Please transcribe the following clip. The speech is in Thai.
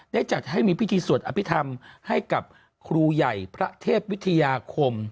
จัดให้มีพิธีสวดอภิษฐรรมให้กับครูใหญ่พระเทพวิทยาคม